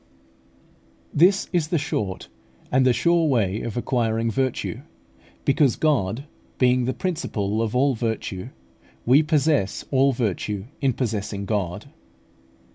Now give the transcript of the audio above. This is the short and the sure way of acquiring virtue; because, God being the principle of all virtue, we possess all virtue in possessing God.